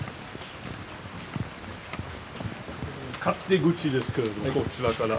勝手口ですけれどこちらから。